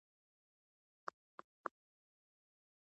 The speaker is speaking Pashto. بده غرمه ده ليلا کور کوي خوبونه